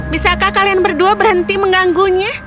bisakah kalian berdua berhenti mengganggunya